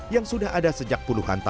yang sejauh changed